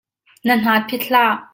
Na hna phit hlah!